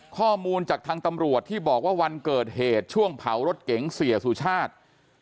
ข้อมูลจากทางตำรวจที่บอกว่าวันเกิดเหตุช่วงเผารถเก๋งเสียสุชาติ